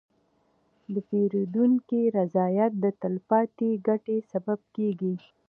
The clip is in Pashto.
د پیرودونکي رضایت د تلپاتې ګټې سبب کېږي.